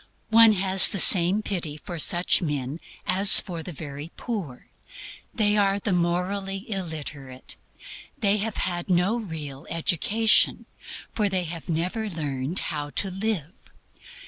One has the same pity for such men as for the very poor. They are the morally illiterate. They have had no real education, for they have never learned HOW TO LIVE.